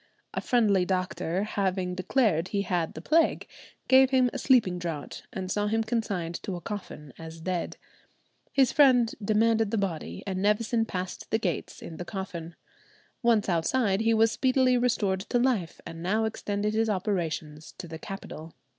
A friendly doctor having declared he had the plague, gave him a sleeping draught, and saw him consigned to a coffin as dead. His friend demanded the body, and Nevison passed the gates in the coffin. Once outside, he was speedily restored to life, and now extended his operations to the capital.